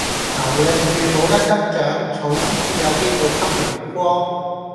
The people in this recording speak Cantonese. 牛令樹冇得生長，草先至有機會吸陽光